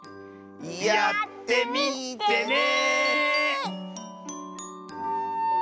やってみてね！